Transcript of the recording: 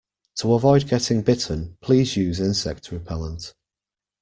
To avoid getting bitten, please use insect repellent